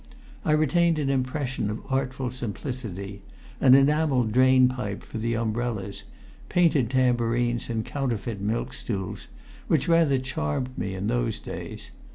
I retained an impression of artful simplicity an enamelled drain pipe for the umbrellas painted tambourines and counterfeit milk stools which rather charmed me in those days.